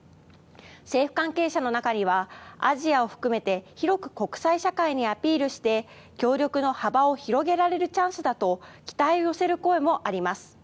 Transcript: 政府関係者の中にはアジアを含めて広く国際社会にアピールして協力の幅を広げられるチャンスだと期待を寄せる声もあります。